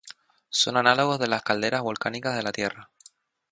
Son análogos de las calderas volcánicas de la Tierra.